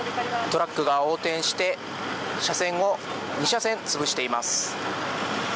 トラックが横転して車線を２車線潰しています。